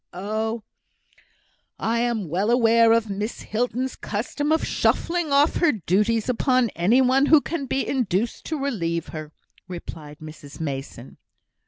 "Oh, I am well aware of Miss Hilton's custom of shuffling off her duties upon any one who can be induced to relieve her," replied Mrs Mason.